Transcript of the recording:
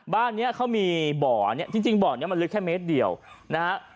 บ้านเนี้ยเขามีบ่อเนี่ยจริงบ่อนี้มันลึกแค่เมตรเดียวนะฮะ